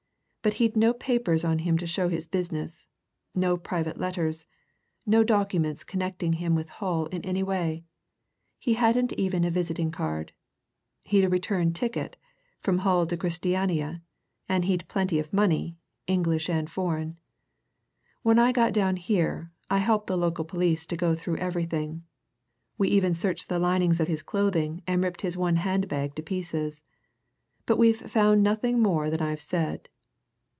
But he'd no papers on him to show his business, no private letters, no documents connecting him with Hull in any way: he hadn't even a visiting card. He'd a return ticket from Hull to Christiania and he'd plenty of money, English and foreign. When I got down here, I helped the local police to go through everything we even searched the linings of his clothing and ripped his one handbag to pieces. But we've found no more than I've said.